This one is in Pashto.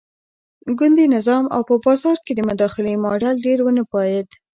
ګوندي نظام او په بازار کې د مداخلې ماډل ډېر ونه پایېد.